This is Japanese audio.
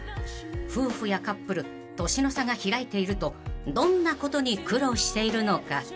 ［夫婦やカップル年の差が開いているとどんなことに苦労しているのか？］